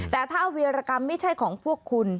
แต่ถ้าเวียรกรรมไม่ใช่ของพวกคุณ